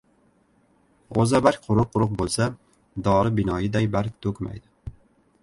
G‘o‘zabarg quruq-quruq bo‘lsa, dori binoyiday barg to‘kmaydi.